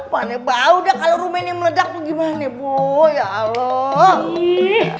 paneh bau deh kalo rumennya meledak tuh gimana bu ya allah